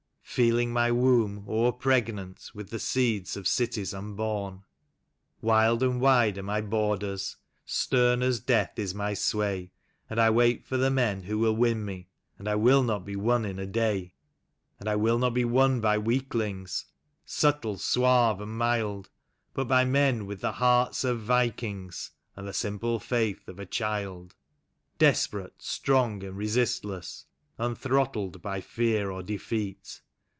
Feeling my womb o'er pregnant with the seed of cities unborn. Wild and wide are my borders, stern as death is my sway, And I wait for the men who will win me — and I will not be won in a day; And I will not be won by weaklings, subtile, suave and mild. But by men with the hearts of vikings, and the simple faith of a child; Desperate, strong and resistless, unthrottled by fear or defeat.